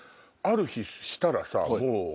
ある日したらさもう。